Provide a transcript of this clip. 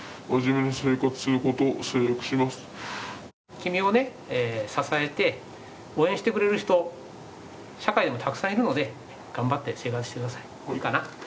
君をね、支えて応援してくれる人社会でもたくさんいるので頑張って生活してください。